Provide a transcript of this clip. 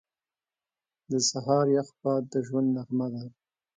• د سهار یخ باد د ژوند نغمه ده.